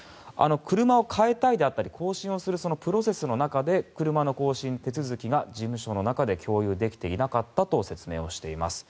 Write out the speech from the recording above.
車を変えたりであったり更新するプロセスの中で車の更新手続きが事務所の中で共有できていなかったと説明をしています。